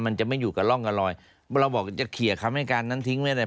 มันจะไม่อยู่กับร่องกับรอยเราบอกจะเคลียร์คำให้การนั้นทิ้งไม่ได้